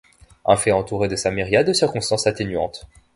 Un fait entouré de sa myriade de circonstances atténuantes.